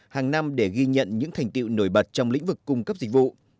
hàng năm để ghi nhận những thành tiệu nổi bật trong lĩnh vực cung cấp dịch vụ